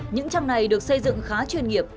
những trang này được xây dựng khá chuyên nghiệp